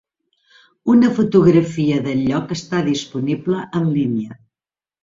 Una fotografia del lloc està disponible en línia.